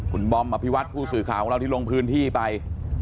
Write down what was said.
คุณบอมอภิวัตผู้สื่อข่าวของเราที่ลงพื้นที่ไป